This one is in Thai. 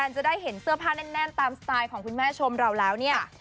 จะได้เห็นเสื้อผ้าแน่นตามสไตล์ของคุณแม่ชมเราแล้วเนี่ย